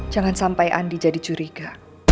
jangan sampai andi jadi curiga